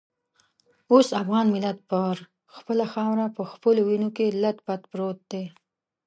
اوس افغان ملت پر خپله خاوره په خپلو وینو کې لت پت پروت دی.